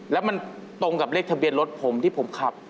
แล้วมันตรงกับเลขทะเบียนรถผมที่ผมขับ